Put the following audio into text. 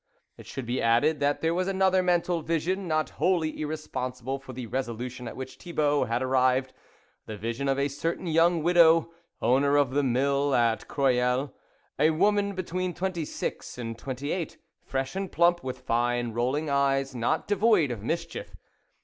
It should be added that there was another mental vision, not wholly irresponsible for the resolution at which Thibault had arrived, the vision of a certain young widow, owner of the mill at Croyolles, a woman between twenty six and twenty eight, fresh and plump, with fine, rolling eyes, not devoid of mischief.